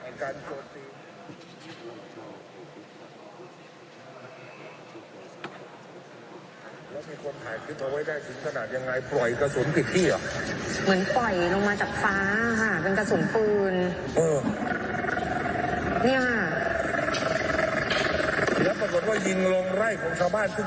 มีคนถ่ายทิ้งตัวไว้ได้ถึงขนาดยังไงปล่อยกระสุนผิดที่เหรอ